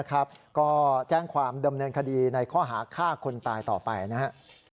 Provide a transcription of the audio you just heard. ก็แจ้งความดำเนินคดีในข้อหาฆ่าคนตายต่อไปนะครับ